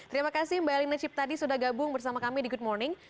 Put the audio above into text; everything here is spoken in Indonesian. terima kasih mbak elina ciptadi sudah gabung bersama kami di good morning